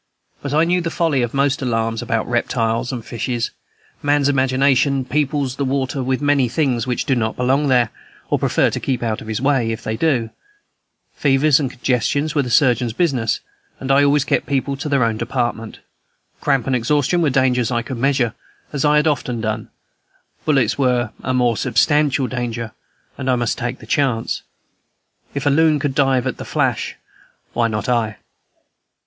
But I knew the folly of most alarms about reptiles and fishes; man's imagination peoples the water with many things which do not belong there, or prefer to keep out of his way, if they do; fevers and congestions were the surgeon's business, and I always kept people to their own department; cramp and exhaustion were dangers I could measure, as I had often done; bullets were a more substantial danger, and I must take the chance, if a loon could dive at the flash, why not I?